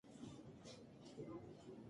هغوی په ښوونځي کې سیالي کوي.